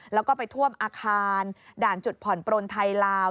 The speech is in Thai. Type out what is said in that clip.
แล้วก็ไปท่วมอาคารด่านจุดผ่อนปลนไทยลาว